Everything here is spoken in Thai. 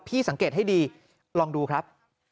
สังเกตให้ดีลองดูครับ